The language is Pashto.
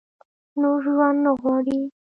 نور ژوند نه غواړي ؟